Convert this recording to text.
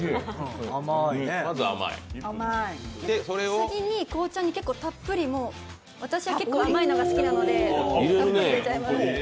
次に紅茶にけっこうたっぷり私は甘いのが好きなのでたっぷり入れちゃいます。